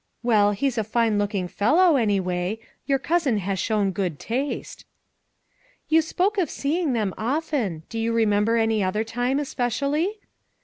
Well, he's a fine looking fellow, anyway; your cousin has shown good taste." "You spoke of seeing them often; do you remember any other time, especially?"